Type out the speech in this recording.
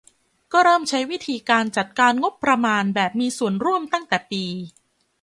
ก็เริ่มใช้วิธีการจัดการงบประมาณแบบมีส่วนร่วมตั้งแต่ปี